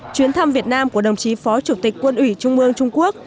chuyến thăm việt nam của đồng chí phó chủ tịch quân ủy trung ương trung quốc